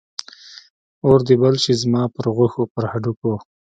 اور دې بل شي زما پر غوښو، پر هډوکو